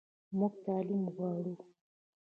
موږ تعلیم غواړو